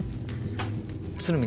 鶴見